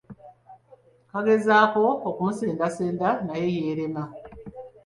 Kagezaako okumusendasenda naye yeerema.